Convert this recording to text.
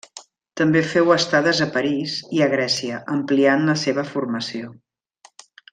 També féu estades a París i a Grècia, ampliant la seva formació.